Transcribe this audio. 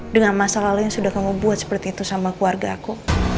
dengan masalah lain sudah kamu buat seperti itu sama keluarga aku